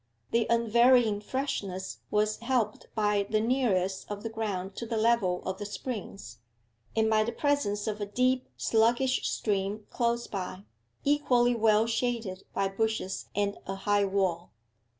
The unvarying freshness was helped by the nearness of the ground to the level of the springs, and by the presence of a deep, sluggish stream close by, equally well shaded by bushes and a high wall.